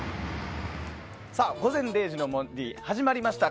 「午前０時の森」始まりました。